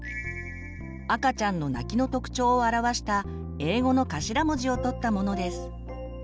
赤ちゃんの泣きの特徴を表した英語の頭文字を取ったものです。